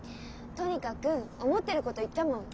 とにかく思ってること言ったもん。